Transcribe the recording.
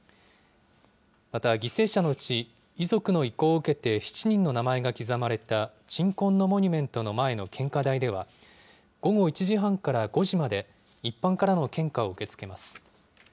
また犠牲者のうち、遺族の意向を受けて７人の名前が刻まれた、鎮魂のモニュメントの前の献花台では、午後１時半から５時まで、一般からの献花を受け付けます。